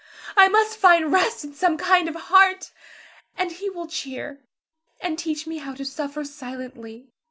I must find rest in some kind heart, and he will cheer, and teach me how to suffer silently.